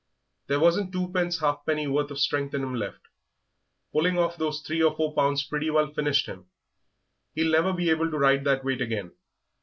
There wasn't twopence halfpenny worth of strength in him pulling off those three or four pounds pretty well finished him. He'll never be able to ride that weight again....